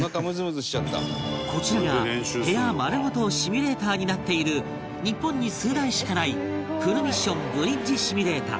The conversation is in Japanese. こちらが部屋丸ごとシミュレーターになっている日本に数台しかないフルミッション・ブリッジシミュレータ